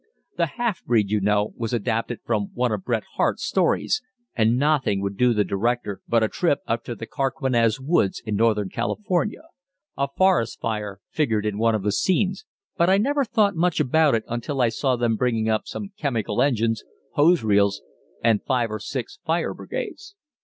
"'The Half Breed,' you know, was adapted from one of Bret Harte's stories, and nothing would do the director but a trip up to the Carquinez woods in northern California. A forest fire figured in one of the scenes, but I never thought much about it until I saw them bringing up some chemical engines, hose reels, and five or six fire brigades.